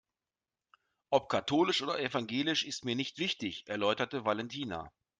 Ob katholisch oder evangelisch ist mir nicht wichtig, erläuterte Valentina.